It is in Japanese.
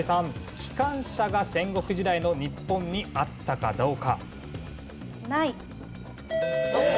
金平糖が戦国時代の日本にあったかどうか？